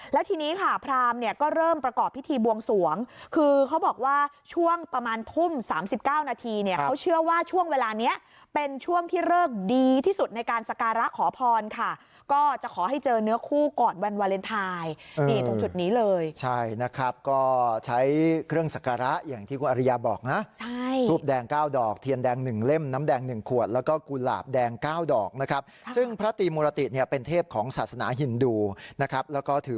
แล้วทีนี้ค่ะพรามเนี้ยก็เริ่มประกอบพิธีบวงสวงคือเขาบอกว่าช่วงประมาณทุ่มสามสิบเก้านาทีเนี้ยเขาเชื่อว่าช่วงเวลานี้เป็นช่วงที่เลิกดีที่สุดในการสการะขอพรค่ะก็จะขอให้เจอเนื้อคู่ก่อนวันวาเลนไทน์นี่ถึงจุดนี้เลยใช่นะครับก็ใช้เครื่องสการะอย่างที่คุณอริยาบอกนะใช่ทูปแดงเก้าดอกเ